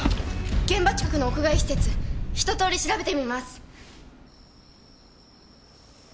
現場近くの屋外施設ひと通り調べてみます！